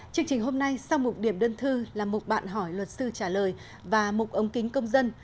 chương trình hôm nay sau một điểm đơn thư là một bạn hỏi luật sư trả lời và một ống kính công dân